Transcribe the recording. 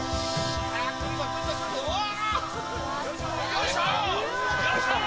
よいしょー！